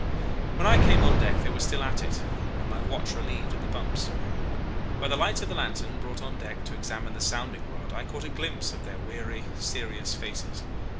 When I came on deck they were still at it, and my watch relieved at the pumps. By the light of the lantern brought on deck to examine the sounding rod I caught a glimpse of their weary, serious faces.